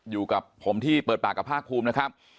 อยู่กับผมที่เปิดปากกับภาคภูมินะครับ